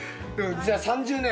じゃあ３０年。